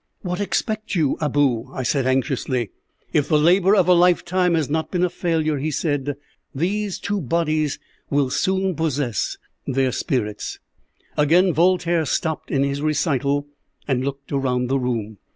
"'What expect you, Abou?' I said, anxiously. "'If the labour of a lifetime has not been a failure,' he said, 'these two bodies will soon possess their spirits.'" Again Voltaire stopped in his recital, and looked around the room.